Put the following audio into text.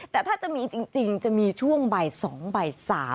แต่ถ้าจะมีจริงจะมีช่วงบ่าย๒บ่าย๓